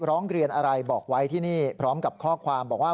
ร้องเรียนอะไรบอกไว้ที่นี่พร้อมกับข้อความบอกว่า